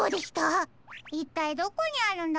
いったいどこにあるんだろう？